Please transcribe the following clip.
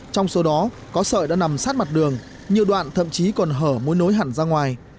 trong số đó có sợi đã nằm sát mặt đường nhiều đoạn thậm chí còn hở muốn nối hẳn ra ngoài